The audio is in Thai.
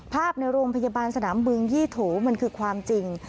ในโรงพยาบาลสนามบึงยี่โถมันคือความจริง